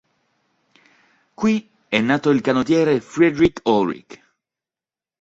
Qui è nato il canottiere Friedrich Ulrich.